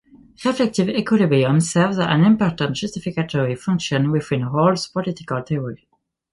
Reflective equilibrium serves an important justificatory function within Rawls's political theory.